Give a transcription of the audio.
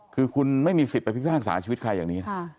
คือคุณไม่มีสิทธิ์ไปพิพากษาชีวิตใครอย่างนี้